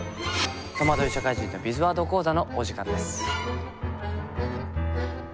「とまどい社会人のビズワード講座」のお時間です。